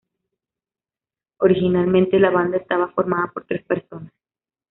Originalmente, la banda estaba formada por tres personas.